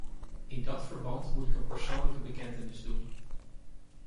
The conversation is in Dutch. In dat verband moet ik een persoonlijke bekentenis doen.